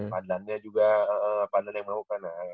padlannya juga padlan yang mau kan nah ya itu aja ya